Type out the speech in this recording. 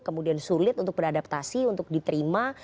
kemudian sulit untuk beradaptasi untuk diterima